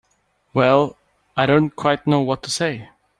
Well—I don't quite know what to say.